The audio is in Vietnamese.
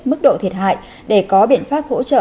mức độ thiệt hại để có biện pháp hỗ trợ